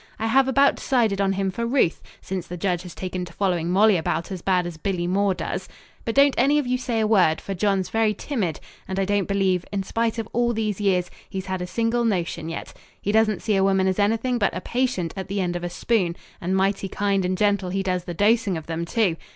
"I have about decided on him for Ruth since the judge has taken to following Molly about as bad as Billy Moore does. But don't any of you say a word, for John's very timid, and I don't believe, in spite of all these years, he's had a single notion yet. He doesn't see a woman as anything but a patient at the end of a spoon, and mighty kind and gentle he does the dosing of them, too.